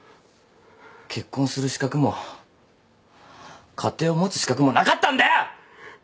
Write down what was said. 結婚する資格も家庭を持つ資格もなかったんだよ！